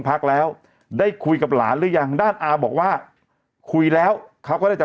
พักแล้วได้คุยกับหลานหรือยังด้านอาบอกว่าคุยแล้วเขาก็ได้จะ